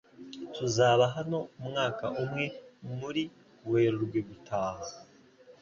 Tuzaba hano umwaka umwe muri Werurwe gutaha.